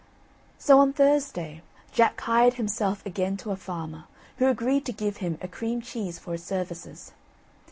So on Thursday, Jack hired himself again to a farmer, who agreed to give him a cream cheese for his services.